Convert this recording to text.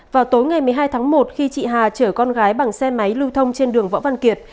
vào tối ngày một mươi hai tháng một khi chị hà chở con gái bằng xe máy lưu thông trên đường võ văn kiệt